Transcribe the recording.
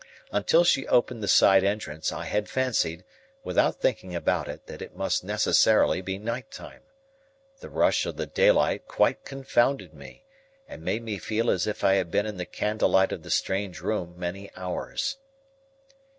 Until she opened the side entrance, I had fancied, without thinking about it, that it must necessarily be night time. The rush of the daylight quite confounded me, and made me feel as if I had been in the candlelight of the strange room many hours.